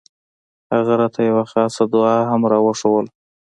هغه راته يوه خاصه دعايه هم راوښووله.